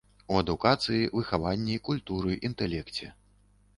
У адукацыі, выхаванні, культуры, інтэлекце.